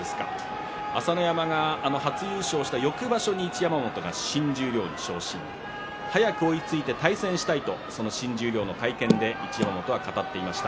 朝乃山が初優勝した翌場所に一山本が新十両昇進早く追いついて対戦したいと新十両の会見で一山本は語っていました。